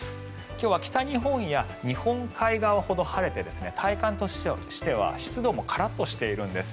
今日は北日本や日本海側ほど晴れて体感としては湿度もカラッとしているんです。